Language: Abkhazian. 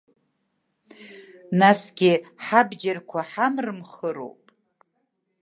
Насгьы ҳабџьарқәа ҳамрымхыроуп.